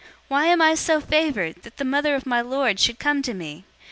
001:043 Why am I so favored, that the mother of my Lord should come to me?